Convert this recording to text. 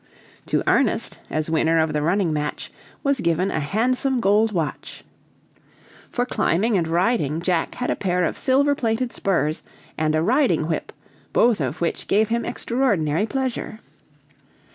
To Ernest, as winner of the running match, was given a handsome gold watch. For climbing and riding, Jack had a pair of silver plated spurs, and a riding whip, both of which gave him extraordinary pleasure.